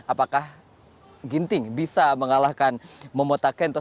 apakah ginting bisa mengalahkan momoto kento